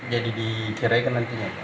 jadi diceritakan nantinya